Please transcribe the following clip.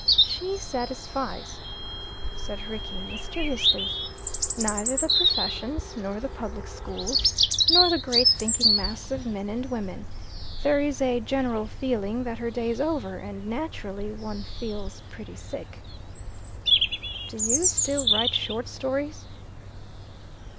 "She satisfies," said Rickie mysteriously, "neither the professions, nor the public schools, nor the great thinking mass of men and women. There is a general feeling that her day is over, and naturally one feels pretty sick." "Do you still write short stories?"